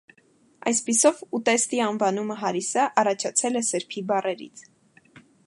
Այսպիսով, ուտեստի անվանումը՝ հարիսա, առաջացել է սրբի բառերից։